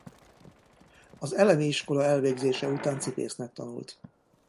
Az elemi iskola elvégzése után cipésznek tanult.